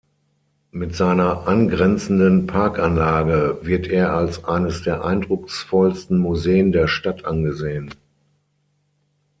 Mit seiner angrenzenden Parkanlage wird er als eines der eindrucksvollsten Museen der Stadt angesehen.